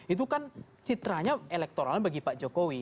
itu kan citranya elektoralnya bagi pak jokowi